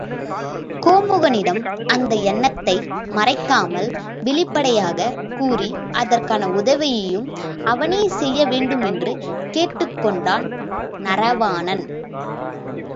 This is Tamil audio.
கோமுகனிடம் இந்த எண்ணத்தை மறைக்காமல் வெளிப்படையாகக் கூறி, இதற்கான உதவியையும் அவனே செய்ய வேண்டுமென்று கேட்டுக் கொண்டான் நரவாணன்.